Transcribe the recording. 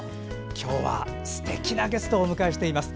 今日は、すてきなゲストをお迎えしています。